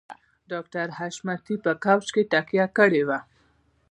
ډاکټر حشمتي په کاوچ کې تکيه کړې وه